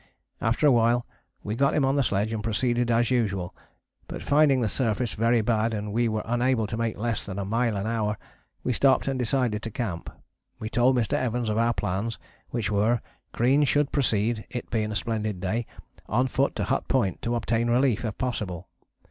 After awhile we got him on the sledge and proceeded as usual, but finding the surface very bad and we were unable to make less than a mile an hour, we stopped and decided to camp. We told Mr. Evans of our plans, which were: Crean should proceed, it being a splendid day, on foot to Hut Point to obtain relief if possible.